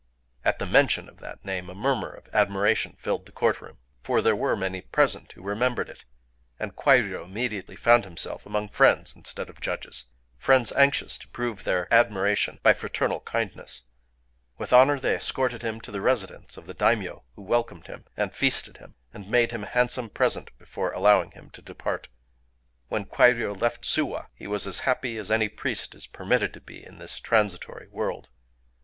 At the mention of that name, a murmur of admiration filled the court room; for there were many present who remembered it. And Kwairyō immediately found himself among friends instead of judges,—friends anxious to prove their admiration by fraternal kindness. With honor they escorted him to the residence of the daimyō, who welcomed him, and feasted him, and made him a handsome present before allowing him to depart. When Kwairyō left Suwa, he was as happy as any priest is permitted to be in this transitory world.